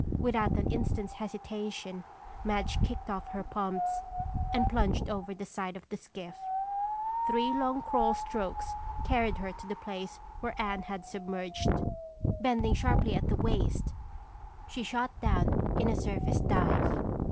Without an instant's hesitation, Madge kicked off her pumps and plunged over the side of the skiff. Three long crawl strokes carried her to the place where Anne had submerged. Bending sharply at the waist she shot down in a surface dive.